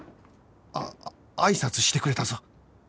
あっあいさつしてくれたぞ。